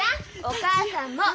お母さんも！